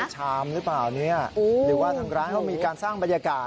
ชามหรือเปล่าเนี่ยหรือว่าทางร้านเขามีการสร้างบรรยากาศ